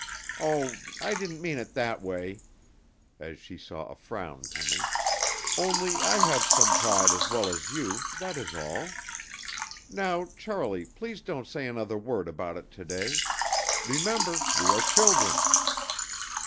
Oh, I didn't mean it that way," as she saw a frown coming, "only I have some pride as well as you; that is all. Now, Charlie, please don't say another word about it to day. Remember, we are children!"